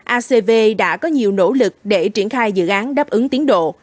acv đã có nhiều nỗ lực để triển khai dự án đáp ứng tiến độ